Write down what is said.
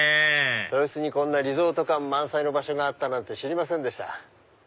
豊洲にこんなリゾート感満載の場所があったなんて知りませんでした。